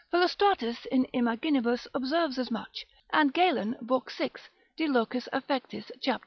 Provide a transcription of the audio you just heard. Philostratus in Imaginibus, observes as much, and Galen lib. 6. de locis affectis, cap.